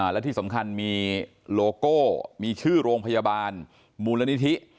และที่สำคัญมีโลโก้มีชื่อโรงพยาบาลมูลนิธิ